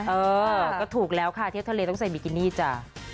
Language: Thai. เออก็ถูกแล้วค่ะเที่ยวทะเลต้องใส่บิกินี่จ้ะ